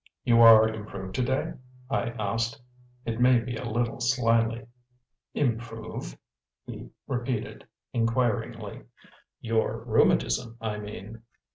"You are improved to day?" I asked, it may be a little slyly. "Improve?" he repeated inquiringly. "Your rheumatism, I mean."